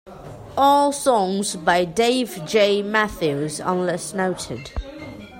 All songs by Dave J. Matthews unless noted.